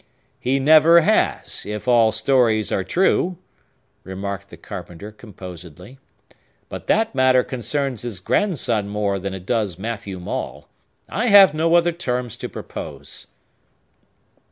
"He never has, if all stories are true," remarked the carpenter composedly. "But that matter concerns his grandson more than it does Matthew Maule. I have no other terms to propose."